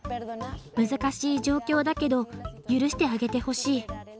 難しい状況だけど許してあげてほしい。